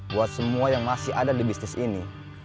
buat semua yang masih ada di bisnis ini